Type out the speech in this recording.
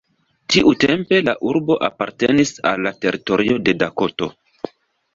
Tiutempe la urbo apartenis al la teritorio de Dakoto.